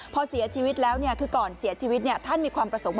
พอเสียชีวิตแล้วคือก่อนเสียชีวิตท่านมีความประสงค์